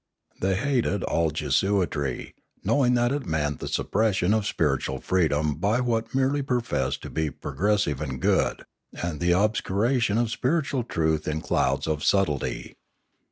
They hated all Jesuitry, knowing that it meant the suppression of spiritual freedom by what merely professed to be progressive and good, and the obscuration of spiritual truth in clouds of subtlety.